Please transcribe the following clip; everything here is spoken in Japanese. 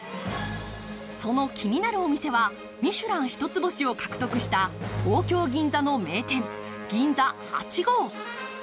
その気になるお店はミシュラン一つ星を獲得した東京・銀座の名店銀座八五。